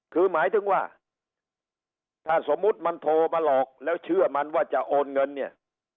คือหมายถึงว่าถ้าสมมุติมันโทรมาหลอกแล้วเชื่อมันว่าจะโอนเงินเนี่ย